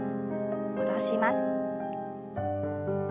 戻します。